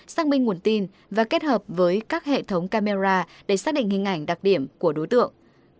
xác minh nguồn tin và kết hợp với các hệ thống camera để xác định hình ảnh đặc điểm của đối tượng